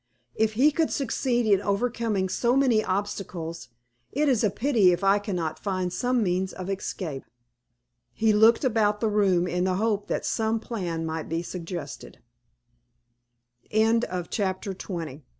If he could succeed in overcoming so many obstacles, it is a pity if I cannot find some means of escape." He looked about the room in the hope that some plan might be suggested. CHAPTER XXI. THE PRISONER ESCAPES.